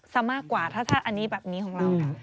ซะมากกว่าถ้าอันนี้แบบนี้ของเรา